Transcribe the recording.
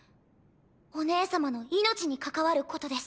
お姉様の命に関わることです。